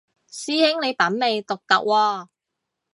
師兄你品味獨特喎